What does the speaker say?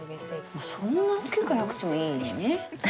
そんな大きくなくてもいいね。